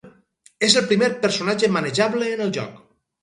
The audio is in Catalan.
És el primer personatge manejable en el joc.